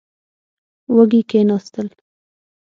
وږي کېناستل.